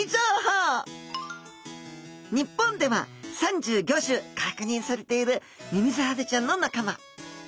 日本では３５種確認されているミミズハゼちゃんの仲間。